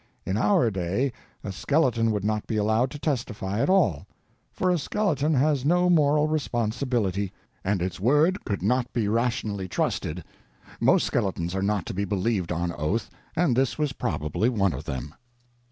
In our day a skeleton would not be allowed to testify at all, for a skeleton has no moral responsibility, and its word could not be believed on oath, and this was probably one of them. Most skeletons are not to be believed on oath, and this was probably one of them.